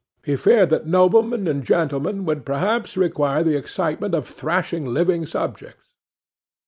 He feared that noblemen and gentlemen would perhaps require the excitement of thrashing living subjects.